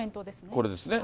これですね。